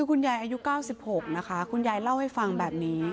คุณยายอายุ๙๖นะคะคุณยายเล่าให้ฟังแบบนี้